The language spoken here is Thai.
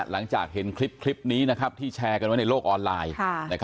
หลังจากเห็นคลิปนี้ที่แชร์กันไว้ในโลกออนไลน์